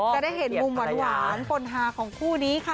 จะได้เห็นมุมหวานปนฮาของคู่นี้ค่ะ